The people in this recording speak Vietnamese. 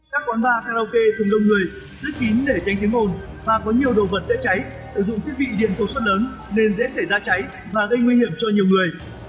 các quán bar karaoke thường đông người rất kín để tránh tiếng ồn và có nhiều đồ vật dễ cháy sử dụng thiết bị điện công suất lớn nên dễ xảy ra cháy và gây nguy hiểm cho nhiều người